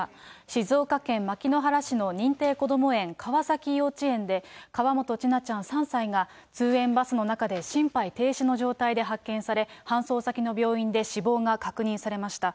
静岡県牧之原市の認定こども園川崎幼稚園で、河本千奈ちゃん３歳が、通園バスの中で心肺停止の状態で発見され、搬送先の病院で死亡が確認されました。